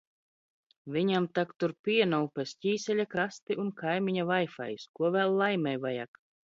Viņam tak tur piena upes, ķīseļa krasti un kaimiņa vaifajs! Ko vēl laimei vajag?